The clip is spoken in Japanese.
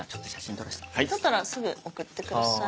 撮ったらすぐ送ってください。